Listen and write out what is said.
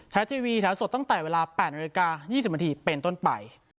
แท็กทีวีแถวสดตั้งแต่เวลาแปดนาฬิกายี่สิบนาทีเป็นต้นไป